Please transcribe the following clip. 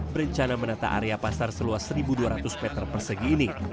berencana menata area pasar seluas satu dua ratus meter persegi ini